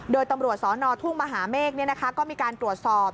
โดยตำรวจสนทุ่งมหาเมฆก็มีการตรวจสอบ